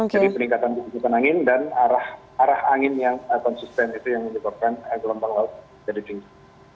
jadi peningkatan kecepatan angin dan arah angin yang persisten itu yang menyebabkan gelombang laut jadi tinggi